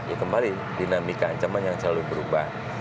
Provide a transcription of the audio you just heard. ya kemarin dinamika ancaman yang selalu berubah